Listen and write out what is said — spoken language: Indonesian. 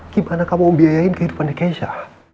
gimana kamu mau biayain kehidupan keisha